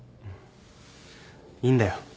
いいんだよ。